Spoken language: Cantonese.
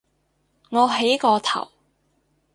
我起個頭